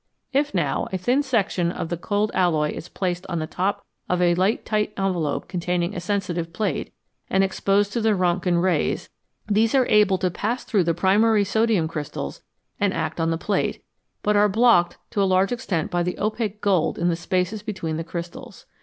If, now, a thin section of the cold alloy is placed on the top of a light tight envelope containing a sensitive plate, and exposed to the Rontgen rays, these are able to pass 323 FROM SOLUTIONS TO CRYSTALS through the primary sodium crystals and act on the plate, but are blocked to a large extent by the opaque gold in the spaces between the crystals.